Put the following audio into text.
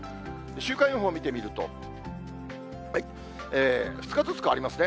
週間予報を見てみると、２日ずつ変わりますね。